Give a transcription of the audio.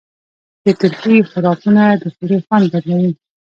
د ترکي خوراکونه د خولې خوند بدلوي.